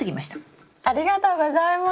ありがとうございます。